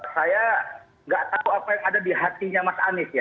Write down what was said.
saya nggak tahu apa yang ada di hatinya mas anies ya